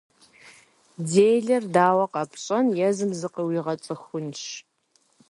Делэр дауэ къэпщӏэн, езым зыкъыуигъэцӏыхунщ.